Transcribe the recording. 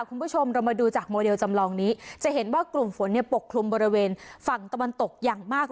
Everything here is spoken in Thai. คุณผู้ชมเรามาดูจากโมเดลจำลองนี้จะเห็นว่ากลุ่มฝนเนี่ยปกคลุมบริเวณฝั่งตะวันตกอย่างมาก